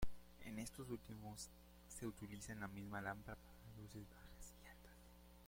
En estos últimos se utiliza la misma lámpara para las luces bajas y altas.